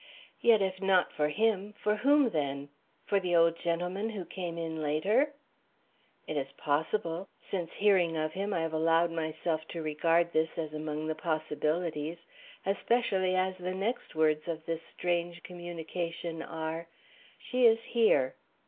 "Yet, if not for him, for whom, then? For the old gentleman who came in later?" "It is possible; since hearing of him I have allowed myself to regard this as among the possibilities, especially as the next words of this strange communication are: 'She is here.'